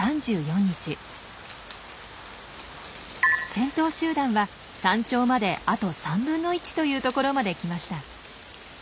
先頭集団は山頂まであと３分の１という所まで来ました。